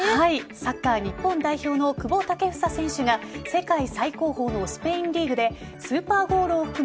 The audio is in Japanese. サッカー日本代表の久保建英選手が世界最高峰のスペインリーグでスーパーゴールを含む